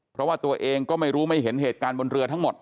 เพราะว่าตัวเองก็ไม่รู้ไม่เห็นเหตุการณ์บนเรือทั้งหมด